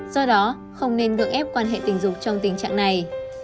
do đó không nên được ép quan hệ tình dục trong tình trạng này